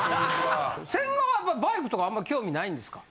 千賀はバイクとかあんまり興味ないんですか？